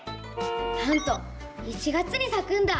なんと１月にさくんだ。